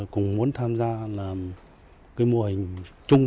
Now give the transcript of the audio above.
cũng muốn tham gia làm cái mô hình chung